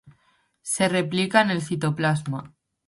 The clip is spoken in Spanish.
Se replica en el citoplasma.